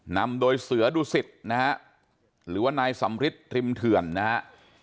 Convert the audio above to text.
นำโดยเสือดุสิตนะฮะหรือว่านายสำริทริมเถื่อนนะฮะ